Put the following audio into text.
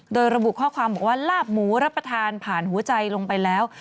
โดยระบุข้อความบอกว่าลาบหมูรับประทานผ่านหัวใจลงไปแล้ว